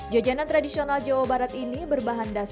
jajanan tradisional jawa barat ini berbahan dasar